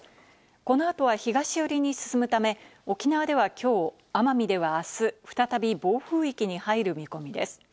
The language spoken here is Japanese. この後は東寄りに進むため、沖縄ではきょう、奄美ではあす、再び暴風域に入る見込みです。